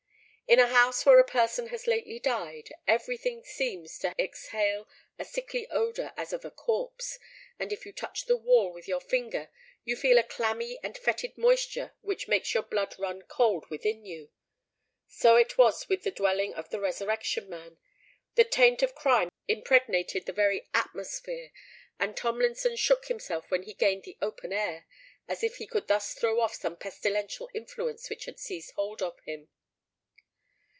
In a house where a person has lately died, every thing seems to exhale a sickly odour as of a corpse; and if you touch the wall with your finger, you feel a clammy and fetid moisture which makes your blood run cold within you. So was it with the dwelling of the Resurrection Man: the taint of crime impregnated the very atmosphere; and Tomlinson shook himself when he gained the open air, as if he could thus throw off some pestilential influence which had seized hold of him.